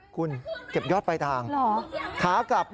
คุณเก็บยอดปลายทางขากลับ